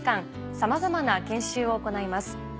さまざまな研修を行います。